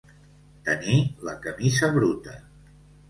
Tenir la camisa bruta.